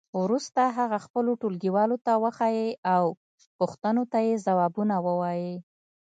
وروسته هغه خپلو ټولګیوالو ته وښیئ او پوښتنو ته یې ځوابونه ووایئ.